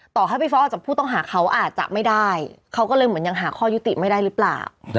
ต่อให้ไปฟ้องออกจากผู้ต้องหาเขาอาจจะไม่ได้เขาก็เลยเหมือนยังหาข้อยุติไม่ได้หรือเปล่า